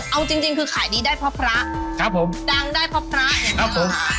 เอาจริงคือขายดีได้เพราะพระดังได้เพราะพระอย่างนั้นค่ะครับผม